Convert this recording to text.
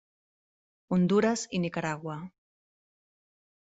Hondures i Nicaragua.